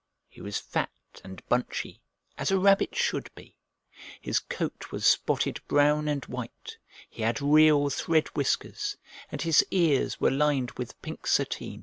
He was fat and bunchy, as a rabbit should be; his coat was spotted brown and white, he had real thread whiskers, and his ears were lined with pink sateen.